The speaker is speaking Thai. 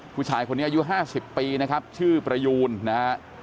ผู้ชายคนนี้อายุ๕๐ปีนะครับชื่อประยูนนะฮะ